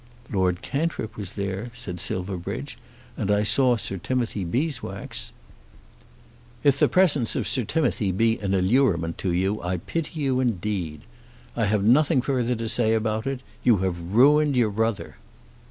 "Lord Cantrip was there," said Silverbridge; "and I saw Sir Timothy Beeswax." "If the presence of Sir Timothy be an allurement to you, I pity you indeed. I have nothing further to say about it. You have ruined your brother."